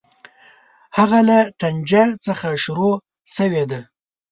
هغه له طنجه څخه شروع شوې ده.